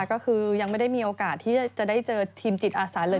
ก็คือยังไม่ได้มีโอกาสที่จะได้เจอทีมจิตอาสาเลย